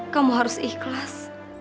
kamu harus ikhlas